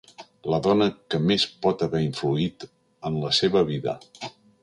La dona que més pot haver influït en la seva vida.